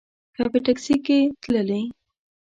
که په ټیکسي کې تللې.